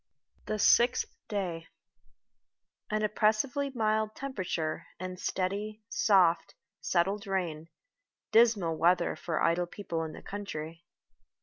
THE SIXTH DAY AN oppressively mild temperature, and steady, soft, settled rain dismal weather for idle people in the country.